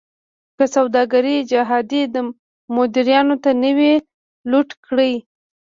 که سوداګري جهادي مداریانو نه وی لوټ کړې.